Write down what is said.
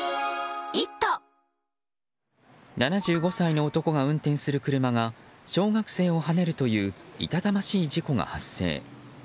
７５歳の男が運転する車が小学生をはねるという痛ましい事故が発生。